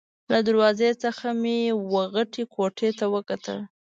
له دروازې څخه مې وه غټې کوټې ته وکتل.